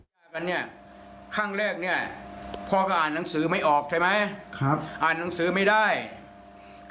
เอ้าเต็มรถบอกว่าอ๋อดอกเบี้ย